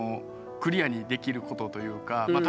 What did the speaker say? クリアにできることというかまあ